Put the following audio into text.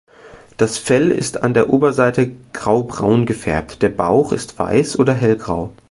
Das Fell ist an der Oberseite graubraun gefärbt, der Bauch ist weiß oder hellgrau.